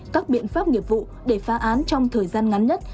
các biện pháp nghiệp vụ để phá án trong thời gian ngắn nhất